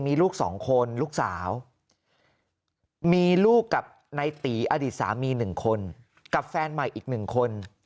มีลูก๒คนลูกสาวมีลูกกับในตีอดีตสามี๑คนกับแฟนใหม่อีก๑คน